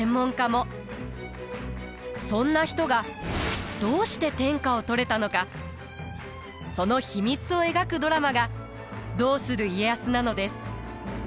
そんな人がどうして天下を取れたのかその秘密を描くドラマが「どうする家康」なのです。